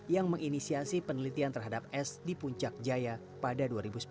yang menginisiasi penelitian terhadap s di puncak jaya pada dua ribu sepuluh